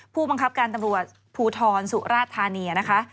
ผู้บังคับการตำรวจภูทรสุราธานีนะคะ